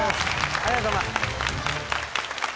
ありがとうございます。